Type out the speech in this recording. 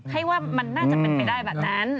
ให้ว่ามันน่าจะเป็นไปได้แบบนั้น